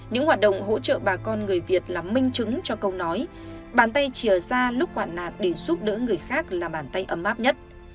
những hoạt động hỗ trợ bà con người việt là minh chứng cho câu nói bàn tay chìa ra lúc hoạn nạn để giúp đỡ người khác là bàn tay ấm áp nhất